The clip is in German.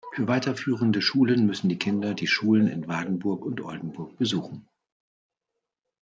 Für weiterführende Schulen müssen die Kinder die Schulen in Wardenburg und Oldenburg besuchen.